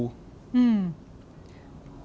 อืม